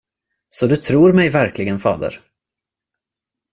Så du tror mig verkligen, fader?